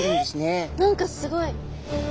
え何かすごい！